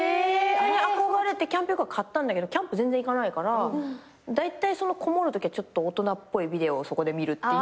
憧れてキャンピングカーを買ったんだけどキャンプ全然行かないからだいたいこもるときはちょっと大人っぽいビデオをそこで見るっていう。